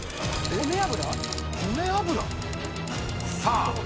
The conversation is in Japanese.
米油？